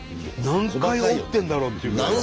何回折ってんだろうっていうぐらい。